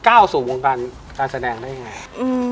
ก้าวสู่วงการการแสดงได้ยังไง